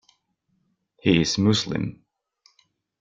He is Muslim.